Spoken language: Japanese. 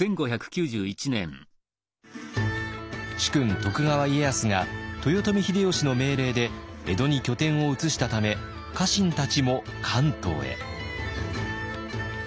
主君徳川家康が豊臣秀吉の命令で江戸に拠点を移したため家臣たちも関東へ。